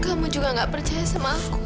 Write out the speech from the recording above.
kamu juga gak percaya sama aku